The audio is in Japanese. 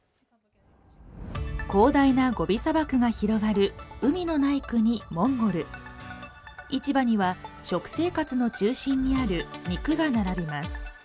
広大なゴビ砂漠が広がる海のない国モンゴル市場には食生活の中心にある肉が並びます